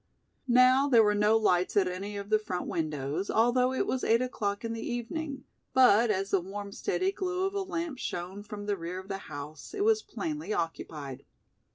Now there were no lights at any of the front windows, although it was eight o'clock in the evening, but as the warm steady glow of a lamp shone from the rear of the house, it was plainly occupied.